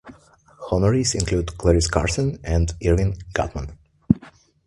Honorees include Clarice Carson and Irving Guttman.